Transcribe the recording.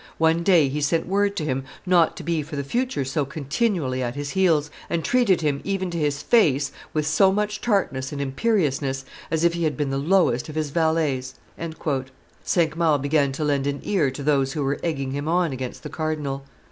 "One day he sent word to him not to be for the future so continually at his heels, and treated him even to his face with so much tartness and imperiousness as if he had been the lowest of his valets." Cinq Mars began to lend an ear to those who were egging him on against the cardinal.